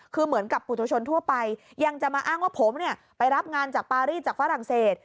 คือเหมือนกับปุตุชนทั่วไปยังจะมาอ้างว่าผมเนี่ยไปรับงานจากปารีสจากฝรั่งเศส